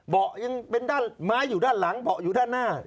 ยังเป็นด้านไม้อยู่ด้านหลังเบาะอยู่ด้านหน้า